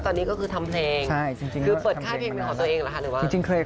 ตอนนี้ก็คือทำเพลงคือเปิดค่าเพลงของตัวเองหรอฮะ